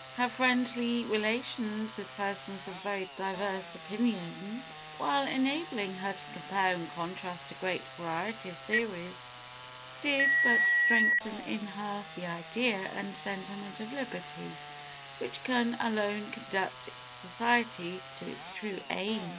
Her friendly relations with persons of very diverse opinions, while enabling her to compare and contrast a great variety of theories, did but strengthen in her "the idea and sentiment of liberty, which can alone conduct society to its true aim."